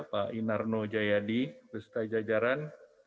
pak inarno jayadi bersetajajaran